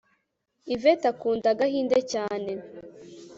ivete akunda agahinde cyane